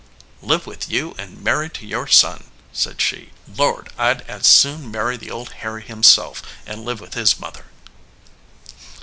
"Live with you and married to your son!" said she. "Lord! I d as soon marry the old Harry himself and live with his mother!"